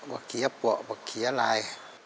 มะเขือปลอกมะเขือลาย